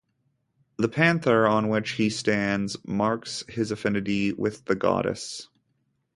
The panther on which he stands marks his affinity with the goddess.